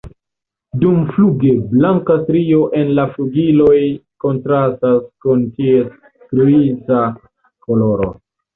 Dumfluge blanka strio en la flugiloj kontrastas kun ties griza koloro.